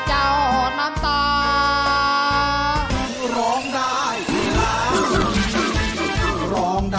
คุณการ